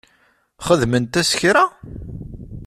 Xedment-as kra?